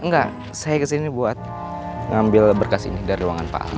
enggak saya kesini buat ngambil berkas ini dari ruangan pak ahok